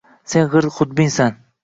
Sen g‘irt xudbinsan.